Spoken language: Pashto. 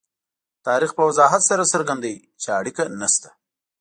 تاریخ په وضاحت سره څرګندوي چې اړیکه نشته.